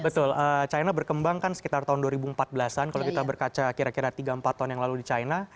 betul china berkembang kan sekitar tahun dua ribu empat belas an kalau kita berkaca kira kira tiga empat tahun yang lalu di china